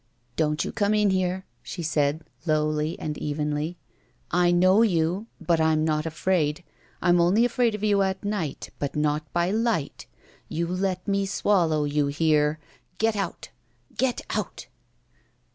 "Don't you come in here," she said, lowly and evenly. "I know you, but I'm not afraid. I'm only afraid of you at night, but not by light. You let me swallow, you hear! Get out! Get out!"